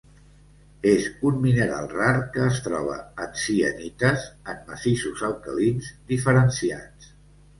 És un mineral rar que es troba en sienites en massissos alcalins diferenciats.